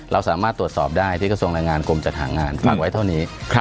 เราสามารถตรวจสอบได้ที่กระทรวงแรงงานกรมจัดหางานฟังไว้เท่านี้